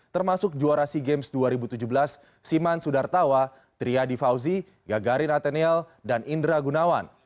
termasuk juara sea games dua ribu tujuh belas siman sudartawa triadi fauzi gagarin atenial dan indra gunawan